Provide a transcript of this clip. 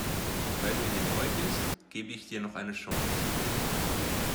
Weil du hier neu bist, gebe ich dir noch eine Chance.